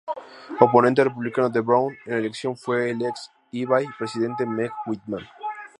Oponente republicano de Brown en la elección fue el ex eBay presidente Meg Whitman.